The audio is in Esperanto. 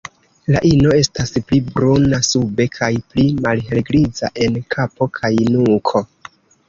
La ino estas pli bruna sube kaj pli malhelgriza en kapo kaj nuko.